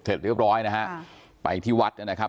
เสร็จเรียบร้อยนะฮะไปที่ที่วัดอ่ะนะครับ